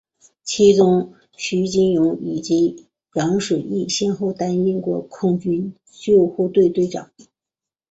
其中徐金蓉以及汤水易先后担任过空军救护队队长。